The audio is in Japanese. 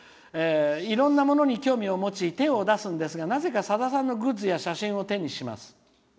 いろんなものに興味を持ち手を出すんですがなぜか、さださんのグッズや写真を手にします。